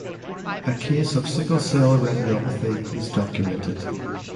A case of sickle cell retinopathy is documented.